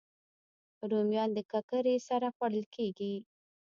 رومیان د ککرې سره خوړل کېږي